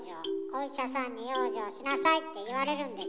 お医者さんに「養生しなさい」って言われるんでしょ？